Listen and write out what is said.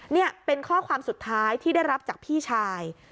นี่เป็นข้อความสุดท้ายที่ได้รับจากพี่ชาย